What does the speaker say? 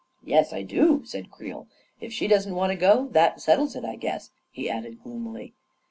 "" Yes, I do," said Creel. 4< If she doesn't want to go, that settles it, I guess," he added gloomily.